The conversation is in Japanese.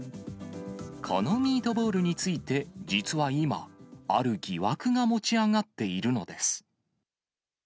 このミートボールについて、実は今、ある疑惑が持ち上がっているのです。